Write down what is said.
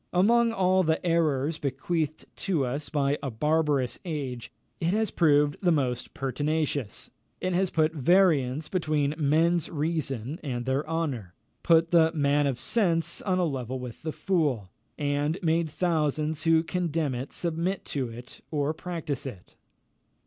Among all the errors bequeathed to us by a barbarous age, it has proved the most pertinacious. It has put variance between men's reason and their honour; put the man of sense on a level with the fool, and made thousands who condemn it submit to it or practise it.